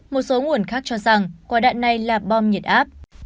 một số nguồn khác cho rằng quả đạn này là bom nhiệt áp